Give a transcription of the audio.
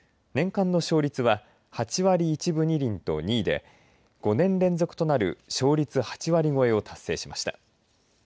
年間の勝率は８割１分２厘と２位で５年連続となる勝率８割超えを達成しました。